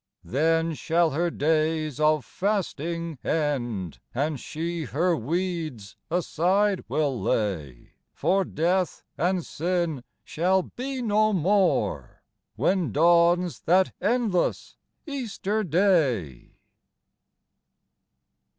Then shall her days of fasting end, And she her weeds aside will lay ; For Death and Sin shall be no more When dawns that endless Easter Day